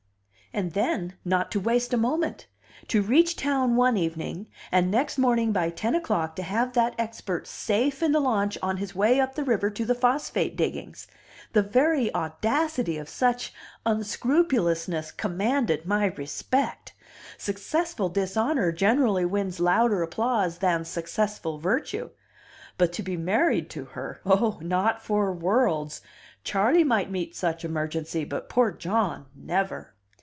And then, not to waste a moment! To reach town one evening, and next morning by ten o'clock to have that expert safe in the launch on his way up the river to the phosphate diggings! The very audacity of such unscrupulousness commanded my respect: successful dishonor generally wins louder applause than successful virtue. But to be married to her! Oh! not for worlds! Charley might meet such emergency, but poor John, never!